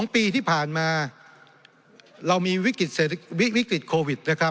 ๒ปีที่ผ่านมาเรามีวิกฤติโควิด